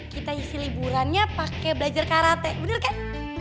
kita isi liburannya pakai belajar karate bener kan